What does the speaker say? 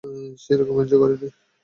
সেরকম এঞ্জয় করিনি।